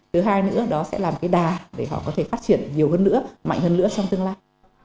thứ hai nữa đó sẽ là một cái đà để họ có thể phát triển nhiều hơn nữa mạnh hơn nữa trong tương lai